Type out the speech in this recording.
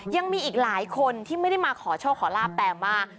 ยังมีอีกหลายคนที่ไม่ได้มาขอโชคขอลาบแต่มา